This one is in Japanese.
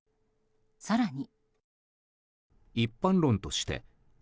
更に。